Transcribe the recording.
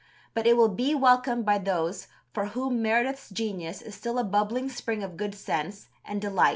But it will be welcomed by those for whom Meredith's genius is still a bubbling spring of good sense and delight.